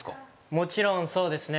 もちろんそうですね